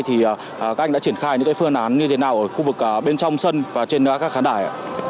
thì các anh đã triển khai những phương án như thế nào ở khu vực bên trong sân và trên các khán đài ạ